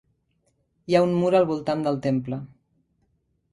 Hi ha un mur al voltant del temple.